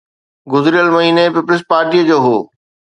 گذريل مهيني پيپلز پارٽيءَ جو هو.